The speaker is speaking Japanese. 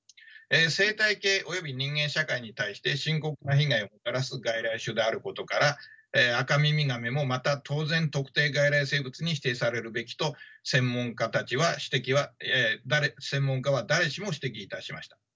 生態系および人間社会に対して深刻な被害をもたらす外来種であることからアカミミガメもまた当然特定外来生物に指定されるべきと専門家は誰しもが指摘いたしました。